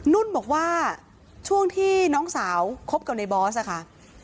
นุ่นบอกว่าช่วงที่น้องสาวคบกับในบอสค่ะ